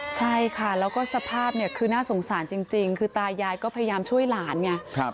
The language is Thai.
ใช่ค่ะแล้วก็สภาพเนี่ยคือน่าสงสารจริงคือตายายก็พยายามช่วยหลานไง